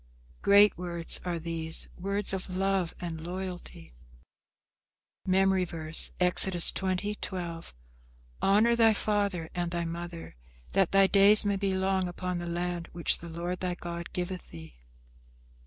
Great words are these, words of love and loyalty. MEMORY VERSE, Exodus 20: 12 "Honour thy father and thy mother; that thy days may be long upon the land which the Lord thy God giveth thee."